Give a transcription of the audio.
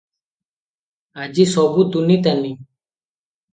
ଆଜି ସବୁ ତୁନି ତାନି ।